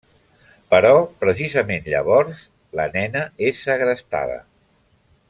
Però, precisament llavors, la nena és segrestada.